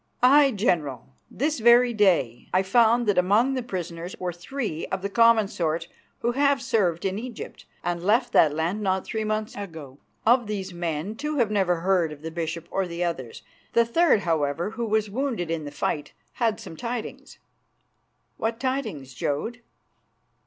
"Aye, General, this very day. I found that among the prisoners were three of the commoner sort who have served in Egypt and left that land not three months ago. Of these men two have never heard of the bishop or the others. The third, however, who was wounded in the fight, had some tidings." "What tidings, Jodd?"